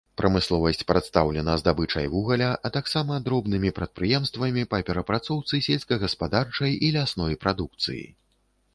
Прамысловасць прадстаўлена здабычай вугля, а таксама дробнымі прадпрыемствамі па перапрацоўцы сельскагаспадарчай і лясной прадукцыі.